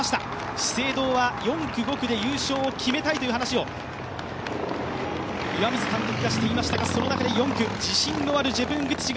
資生堂は４区、５区で優勝を決めたいという話を岩水監督がしていましたが、その中で４区、自信のあるジェプングティチが